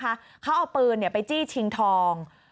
เขาเอาปืนไปจี้ชิงทอง